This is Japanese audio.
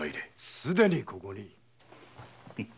すでにここに。